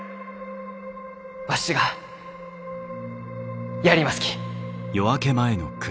わしはやりますき。